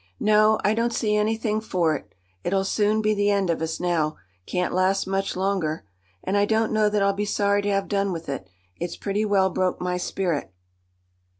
No, I don't see anything for it. It'll soon be the end of us now—can't last much longer. And I don't know that I'll be sorry to have done with it. It's pretty well broke my spirit."